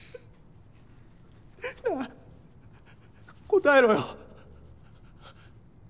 答えろよ！